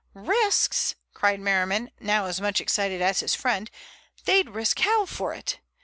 "Risks?" cried Merriman, now as much excited as his friend. "They'd risk hell for it!